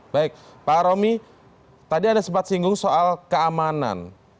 baik pak romi tadi anda sempat singgung soal keamanan